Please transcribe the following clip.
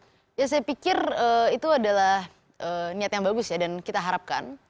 ya saya pikir itu adalah niat yang bagus ya dan kita harapkan